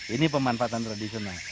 ini pemanfaatan tradisional